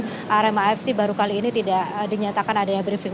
dari pertandingan rmafc baru kali ini tidak dinyatakan adanya briefing